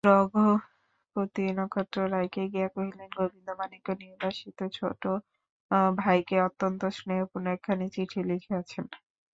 রঘুপতি নক্ষত্ররায়কে গিয়া কহিলেন, গোবিন্দমাণিক্য নির্বাসিত ছোটো ভাইকে অত্যন্ত স্নেহপূর্ণ একখানি চিঠি লিখিয়াছেন।